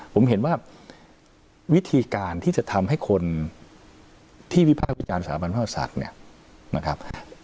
ผมเห็นว่าวิธีการที่จะทำให้คนที่วิพากษ์วิจารณ์สถาบันพระกษัตริย์เนี่ยนะครับ